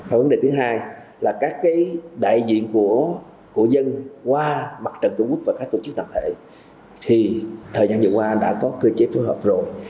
và vấn đề thứ hai là các đại diện của dân qua mặt trận tổ quốc và các tổ chức đặc thể thì thời gian vừa qua đã có cơ chế phối hợp rồi